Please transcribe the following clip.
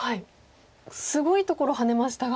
すごいところハネましたが。